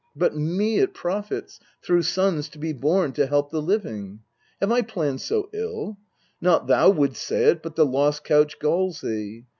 But me it profits, through sons to be born To help the living. Have I planned so ill? Not thou wouldst say it, but the lost couch galls thee.